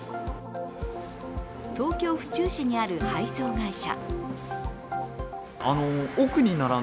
東京・府中市にある配送会社。